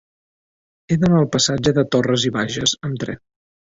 He d'anar al passatge de Torras i Bages amb tren.